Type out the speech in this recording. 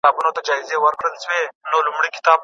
د جمهورو فقهاوو رايه داده.